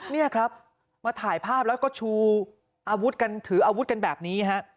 นี่ครับมาถ่ายภาพแล้วก็ชูอาวุธกันถืออาวุธกันแบบนี้ฮะ